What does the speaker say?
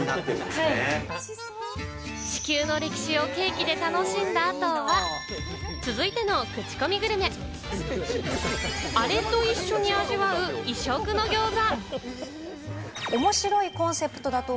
地球の歴史をケーキで楽しんだ後は、続いてのクチコミグルメ、あれと一緒に味わう異色のぎょうざ。